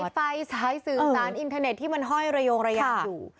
ไฟสายสื่อสารอินเทอร์เน็ตที่มันห้อยระโยงระยางอยู่